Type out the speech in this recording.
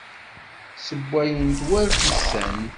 Ssewwayent war tisent.